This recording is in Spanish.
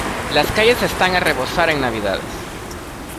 Las calles están a rebosar en navidades.